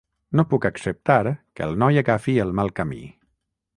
No puc acceptar que el noi agafi el mal camí.